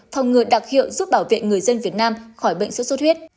phòng ngừa đặc hiệu giúp bảo vệ người dân việt nam khỏi bệnh sốt xuất huyết